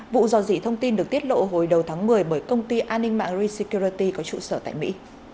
vụ dò dỉ thông tin được tiết lộ hồi đầu tháng một mươi bởi công ty an ninh mạng resecurity có trụ sở tại mỹ